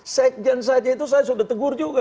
sekjen saja itu saya sudah tegur juga